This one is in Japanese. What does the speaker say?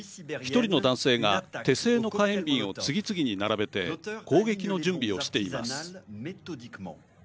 １人の男性が手製の火炎瓶を次々に並べて攻撃の準備をしています。